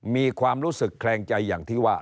มีความรู้สึกแคลงใจอย่างที่ว่า